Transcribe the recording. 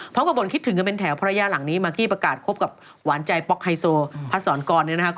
พร้อมกับบทคิดถึงกันเป็นแถวภรรยาหลังนี้มากี้ประกาศครบกับหวานใจป๊อกไฮโซพัดศรกร